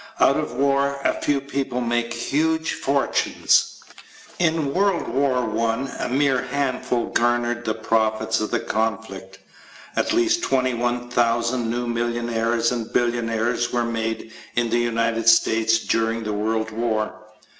Out of war a few people make huge fortunes. In the World War [I] a mere handful garnered the profits of the conflict. At least 21,000 new millionaires and billionaires were made in the United States during the World War.